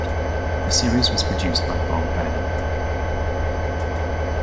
The series was produced by Bob Banner.